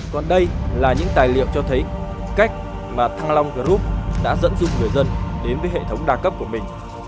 còn đây là những tài liệu cho thấy cách mà thăng long group đã dẫn dụ người dân đến với hệ thống đa cấp của mình